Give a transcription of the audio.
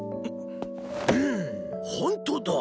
うんほんとだ